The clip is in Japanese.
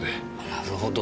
なるほど。